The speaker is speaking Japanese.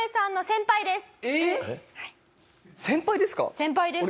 先輩です。